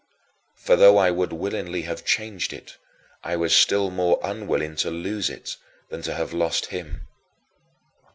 For though I would willingly have changed it, I was still more unwilling to lose it than to have lost him.